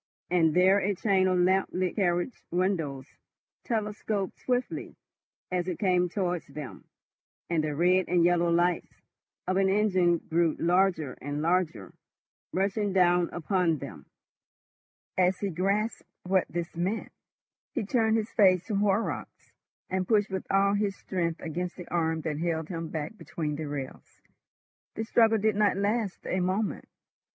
And there a chain of lamp lit carriage windows telescoped swiftly as it came towards them, and the red and yellow lights of an engine grew larger and larger, rushing down upon them. As he grasped what this meant, he turned his face to Horrocks, and pushed with all his strength against the arm that held him back between the rails. The struggle did not last a moment.